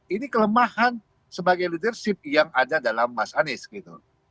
ini kelemahan sebagai leadership yang ada dalam mas anies gitu